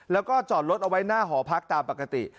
แล้วก็จอดรถเอาไว้หน้าหอพักตามปกติ